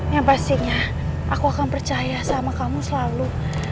yang pastinya aku akan percaya sama kamu selalu